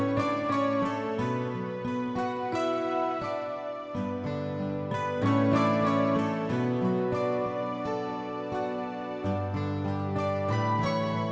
terima kasih atas dukungan anda